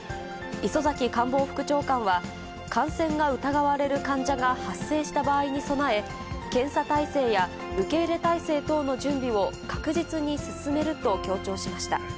磯崎官房副長官は、感染が疑われる患者が発生した場合に備え、検査体制や受け入れ体制等の準備を確実に進めると強調しました。